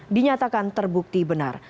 dinyatakan terbukti benar